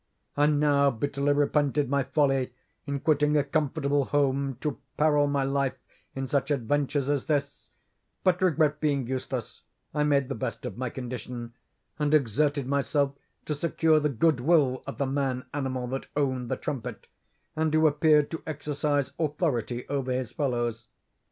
"'I now bitterly repented my folly in quitting a comfortable home to peril my life in such adventures as this; but regret being useless, I made the best of my condition, and exerted myself to secure the goodwill of the man animal that owned the trumpet, and who appeared to exercise authority over his fellows.